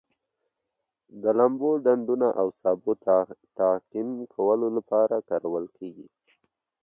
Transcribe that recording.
د لامبلو ډنډونو او سابو تعقیم کولو لپاره کارول کیږي.